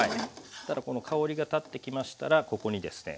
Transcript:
そしたら香りがたってきましたらここにですね